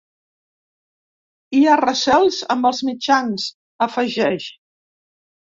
Hi ha recels amb els mitjans, afegeix.